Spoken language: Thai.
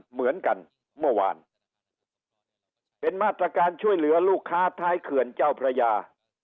เหมือนกันเมื่อวานเป็นมาตรการช่วยเหลือลูกค้าท้ายเขื่อนเจ้าพระยา